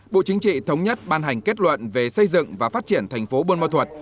bộ chính trị thống nhất ban hành kết luận về xây dựng và phát triển thành phố buôn mơ thuật